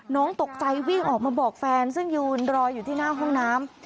น้องตกใจวิ่งออกมาบอกแฟนซึ่งยืนรออยู่ที่หน้าห้องน้ำ